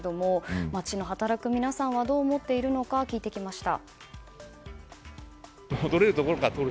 街の働く皆さんはどう思っているのか聞いてきました。